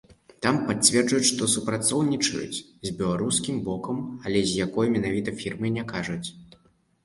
Там пацвярджаюць, што супрацоўнічаюць з беларускім бокам, але з якой менавіта фірмай, не кажуць.